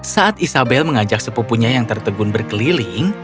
saat isabel mengajak sepupunya yang tertegun berkeliling